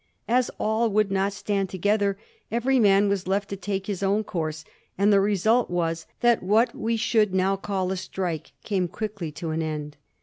As all ^ould not stand together, every man was left to take his own course, and the result was that what we should now call a strike came quietly to an end.